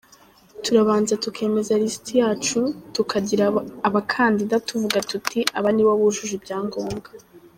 Turabanza tukemeza lisiti yacu, tukagira abakandida tuvuga duti ‘aba nibo bujuje ibyangombwa.